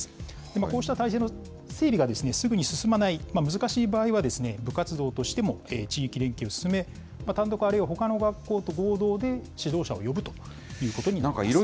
こうした体制の整備がすぐに進まない、難しい場合はですね、部活動としても地域連携を進め、単独あるいはほかの学校と合同で指導者を呼ぶということになっています。